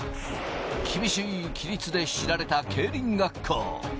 厳しい規律で知られた競輪学校。